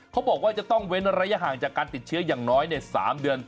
เขาบอกว่าจะต้องเว้นระยะห่างจากการติดเชื้ออย่างน้อย๓เดือน